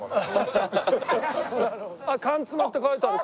あっ「缶つま」って書いてある。